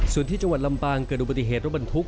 ส่วนที่จังหวัดลำปางเกิดอุบัติเหตุรถบรรทุก